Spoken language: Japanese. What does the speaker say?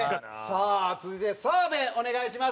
さあ続いて澤部お願いします。